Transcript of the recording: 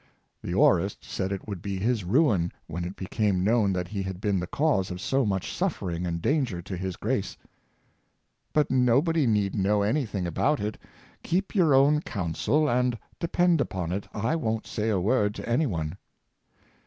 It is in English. The aurist said it would be his ruin when it became known that he had been the cause of so much suffering and danger to his grace. " But nobody need know any thing about it; keep your own counsel, and, depend upon it, I won't say a word to any one."